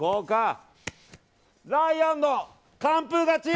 ライアンの完封勝ち！